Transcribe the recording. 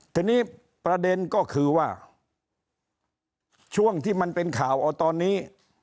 ทีนี้ประเด็นก็คือว่าช่วงที่มันเป็นข่าวเอาตอนนี้